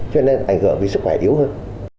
cho nên ảnh hưởng vì sức khỏe yếu hơn